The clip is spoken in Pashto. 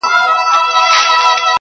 • د پيل ورځ بيا د پرېکړې شېبه راځي ورو,